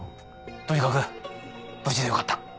とにかく無事でよかった。